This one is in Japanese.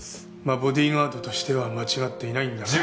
まあボディーガードとしては間違っていないんだが。